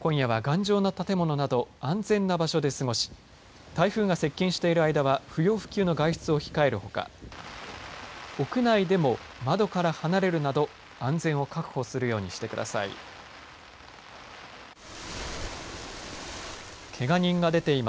今夜は頑丈な建物など安全な場所で過ごし台風が接近している間は不要不急の外出を控えるほか屋内でも窓から離れるなど安全を確保するようにしてください。